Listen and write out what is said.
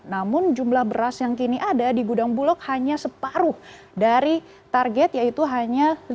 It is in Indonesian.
namun jumlah beras yang kini ada di gudang bulog hanya separuh dari target yaitu hanya